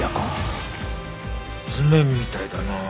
図面みたいだな。